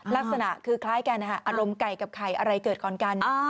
ลักษณะคือคล้ายกันนะฮะอารมณ์ไก่กับไข่อะไรเกิดก่อนกัน